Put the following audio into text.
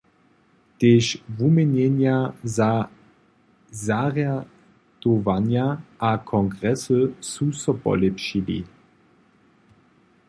Tež wuměnjenja za zarjadowanja a kongresy su so polěpšili.